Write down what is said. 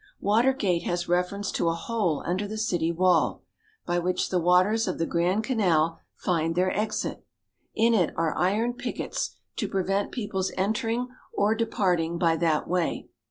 Water Gate has reference to a hole under the city wall, by which the waters of the Grand Canal find their exit. In it are iron pickets to prevent people's entering or departing by that way.